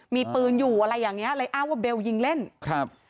มีปืนอยู่อะไรอย่างเงี้เลยอ้างว่าเบลยิงเล่นครับ